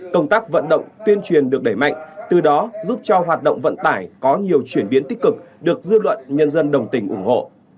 công tác vận động tuyên truyền được đẩy mạnh từ đó giúp cho hoạt động vận tải có nhiều chuyển biến tích cực được dư luận nhân dân đồng tình ủng hộ